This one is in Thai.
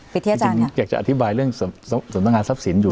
อาจารย์อยากจะอธิบายเรื่องสำนักงานทรัพย์สินอยู่